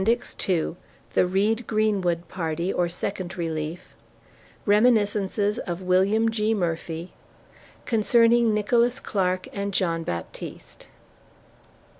] II THE REED GREENWOOD PARTY, OR SECOND RELIEF REMINISCENCES OF WILLIAM G. MURPHY CONCERNING NICHOLAS CLARK AND JOHN BAPTISTE.